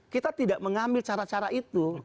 kita tidak mengambil cara cara itu